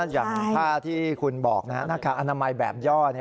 อย่างผ้าที่คุณบอกหน้ากากอนามัยแบบย่อ